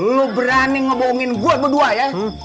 lo berani ngebohongin gue berdua ya